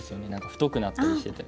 太くなったりしてて。